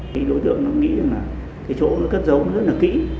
thì đối tượng nó nghĩ rằng là cái chỗ cất giấu rất là kĩ